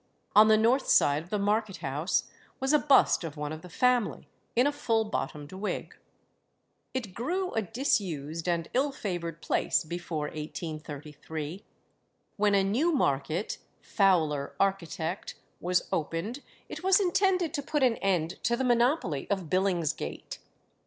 On the north side of the market house was a bust of one of the family in a full bottomed wig. It grew a disused and ill favoured place before 1833. When a new market (Fowler, architect) was opened, it was intended to put an end to the monopoly of Billingsgate.